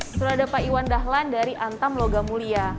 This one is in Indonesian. sudah ada pak iwan dahlan dari antam logam mulia